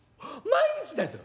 毎日だぞ！